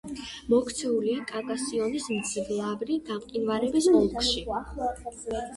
მოქცეულია კავკასიონის მძლავრი გამყინვარების ოლქში.